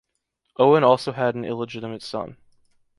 Owen also had an illegitimate son.